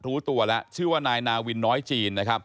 รู้ตัวแล้วชื่อนายนาวินหน้อยจีน